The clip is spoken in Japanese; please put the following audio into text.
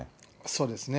そうですね。